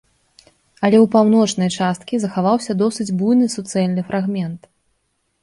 Але ў паўночнай часткі захаваўся досыць буйны суцэльны фрагмент.